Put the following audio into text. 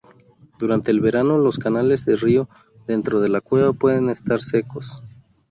Durante el verano los canales de río dentro de la cueva pueden estar secos.